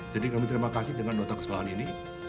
jadi kami terima kasih dengan notak kesempatan ini